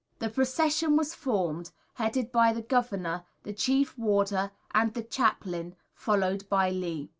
The procession was formed, headed by the Governor, the Chief Warder, and the Chaplain followed by Lee.